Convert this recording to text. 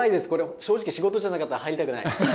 正直仕事じゃなかったら入りたくない。